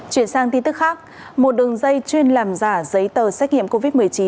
chuyển sang tin tức khác một đường dây chuyên làm giả giấy tờ xét nghiệm covid một mươi chín